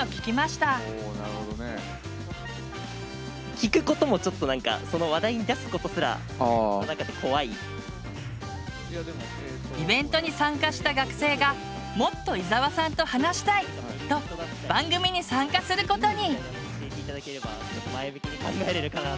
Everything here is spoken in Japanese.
聞くこともちょっと何かイベントに参加した学生がもっと伊沢さんと話したい！と番組に参加することに！